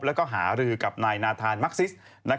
แล้วก็หารือกับนายนาธานมักซิส